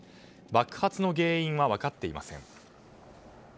爆発の原因は分かっていません。